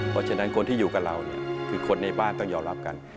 เพราะฉะนั้นคนที่อยู่กับเราเนี่ยคือคนในบ้านต้องยอมรับกัน